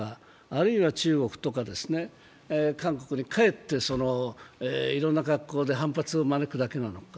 あるいは中国と韓国にかえっていろんな格好で反発を招くだけなのか。